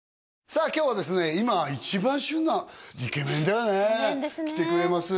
さあ今日はですね一番旬なイケメンだよねイケメンですね来てくれます